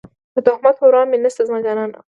د تهمت پروا مې نشته زما جانانه